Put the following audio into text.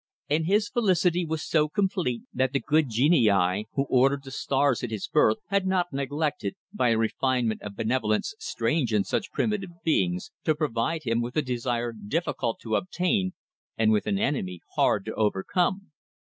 And his felicity was so complete that the good genii, who ordered the stars at his birth, had not neglected by a refinement of benevolence strange in such primitive beings to provide him with a desire difficult to attain, and with an enemy hard to overcome.